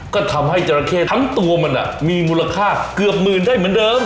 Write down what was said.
ก็ทำให้จราเข้ทั้งตัวมันมีมูลค่าเกือบหมื่นได้เหมือนเดิม